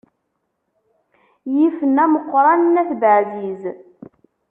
Yifen ameqqran n at Baɛziz.